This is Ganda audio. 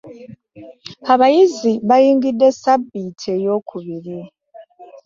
Abayizi bayingidde ssabbiiti eyookubiri.